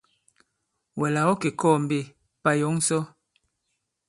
Wɛ̀ là ɔ̌ kè kɔɔ̄ mbe, pà yɔ̌ŋ sɔ?